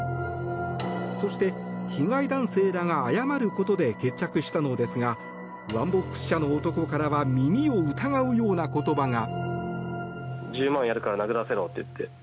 そして、被害男性らが謝ることで決着したのですがワンボックス車の男からは耳を疑うような言葉が。